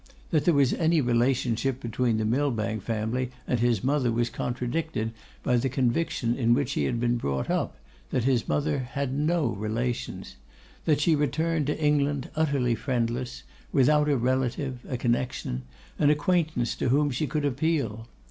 That there was any relationship between the Millbank family and his mother was contradicted by the conviction in which he had been brought up, that his mother had no relations; that she returned to England utterly friendless; without a relative, a connection, an acquaintance to whom she could appeal.